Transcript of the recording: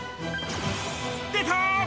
出た！